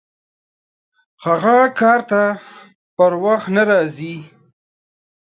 هغه کار ته پر وخت نه راځي!